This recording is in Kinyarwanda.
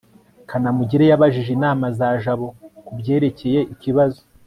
kanamugire yabajije inama za jabo kubyerekeye ikibazo